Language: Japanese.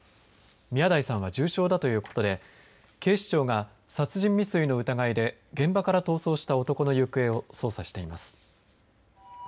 宮台さんは重傷だということで警視庁が殺人未遂の疑いで現場から逃走した男の行方を操作しています。